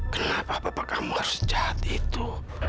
kenapa bapak kamu harus sejahat itu